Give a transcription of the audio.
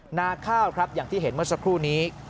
หน้าข้าวครับอย่างที่เห็นเมื่อสักครู่นี้